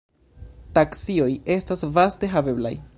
Taksioj estas vaste haveblaj.